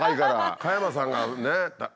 加山さんがね